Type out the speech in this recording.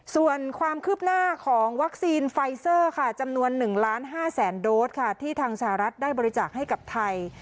ส่วนความคืบหน้าของวัคซีนไฟเซอร์ค่ะจำนวน๑ล้าน๕แสนโดสค่ะที่ทางสหรัฐได้บริจาคให้กับไทย